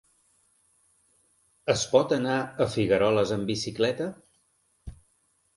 Es pot anar a Figueroles amb bicicleta?